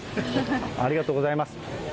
ありがとうございます。